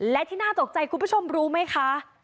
และที่น่าตกใจคุณผู้ชมรู้ไหมคะ